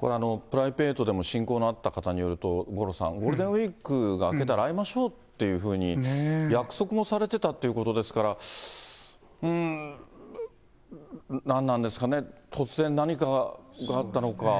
プライベートでも親交のあった方によると、五郎さん、ゴールデンウィークが明けたら会いましょうっていうふうに約束もされてたってことですから、うーん、何なんですかね、突然何かがあったのか。